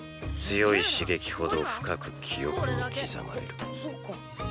強い刺激ほど深く記憶に刻まれるこれだけ。